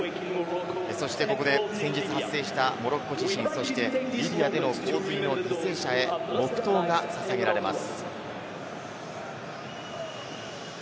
そして、ここで先日発生したモロッコ地震、そしてリビアでの洪水の犠牲者へ黙とうが捧げられます。